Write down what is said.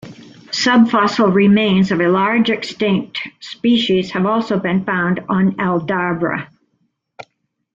Subfossil remains of a large, extinct, species have also been found on Aldabra.